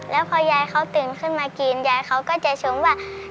แล้วพอยายเขาตื่นขึ้นมากินยายเขาก็จะชมว่า